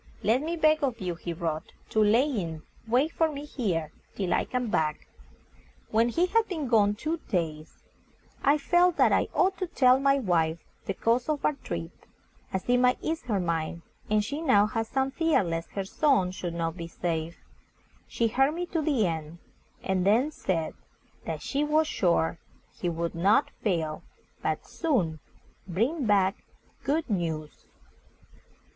"Let me beg of you," he wrote, "to lie in wait for me here till I come back." When he had been gone two days, I felt that I ought to tell my wife the cause of our trip, as it might ease her mind, and she now had some fear lest her son should not be safe. She heard me to the end, and then said that she was sure he would not fail, but soon bring back good news.